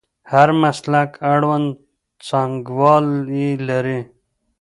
د هر مسلک اړوند څانګوال یې لري.